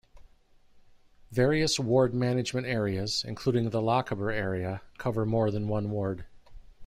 Various ward management areas, including the Lochaber area, cover more than one ward.